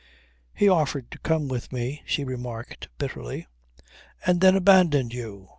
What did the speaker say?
"He offered to come with me," she remarked bitterly. "And then abandoned you!"